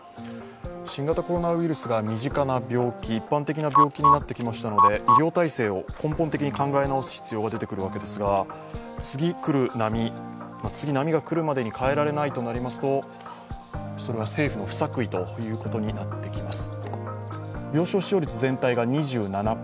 新型コロナウイルスが身近な病気、一般的な病気になってきましたので、医療体制を根本的に考え直す必要が出てくるわけですが次の波が来るまでに変えられないとなりますとそれは政府の不作為ということになってきます。